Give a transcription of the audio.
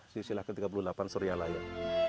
sisilah ke tiga puluh delapan surya layar